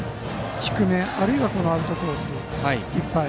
低め、あるいはアウトコースいっぱい。